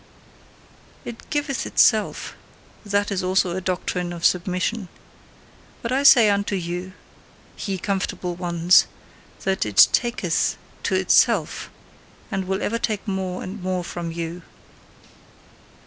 "It giveth itself" that is also a doctrine of submission. But I say unto you, ye comfortable ones, that IT TAKETH TO ITSELF, and will ever take more and more from you!